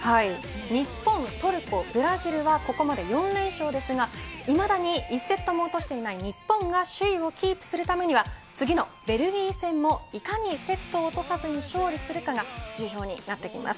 日本、トルコ、ブラジルはここまで４連勝ですがいまだに１セットも落としていない日本が首位をキープするためには次のベルギー戦もいかにセットをおとさずに勝利するかが重要になってきます。